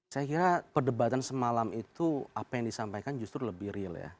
saya kira perdebatan semalam itu apa yang disampaikan justru lebih real ya